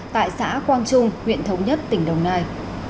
tại xã quang trung huyện thống nhất tỉnh đồng nai